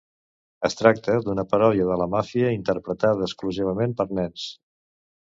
Es tracta d'una paròdia de la màfia interpretada exclusivament per nens.